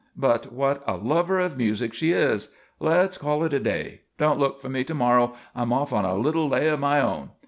But what a lover of music she is! Let's call it a day. Don't look for me to morrow. I'm off on a little lay of my own.